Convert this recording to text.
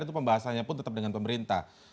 itu pembahasannya pun tetap dengan pemerintah